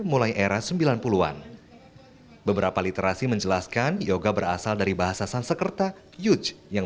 mulai era sembilan puluh an beberapa literasi menjelaskan yoga berasal dari bahasa sansekerta yuch yang